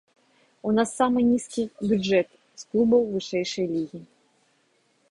У нас самы нізкі бюджэт з клубаў вышэйшай лігі.